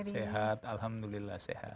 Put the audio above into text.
sehat alhamdulillah sehat